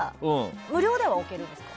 無料では置けるんですか？